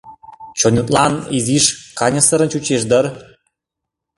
Чонетлан изиш каньысырын чучеш дыр?